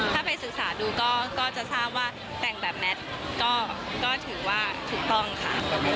ถ้าไปศึกษาดูก็จะทราบว่าแต่งแบบแมทก็ถือว่าถูกต้องค่ะ